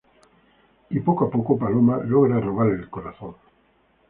Y poco a poco, Paloma logra robarle el corazón.